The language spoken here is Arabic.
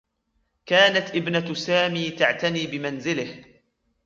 كانت ابنة سامي تعتني بمنزله.